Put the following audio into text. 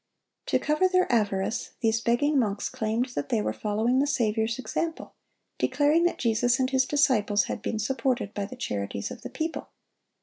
(113) To cover their avarice, these begging monks claimed that they were following the Saviour's example, declaring that Jesus and His disciples had been supported by the charities of the people.